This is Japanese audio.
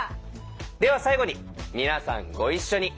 では最後に皆さんご一緒に。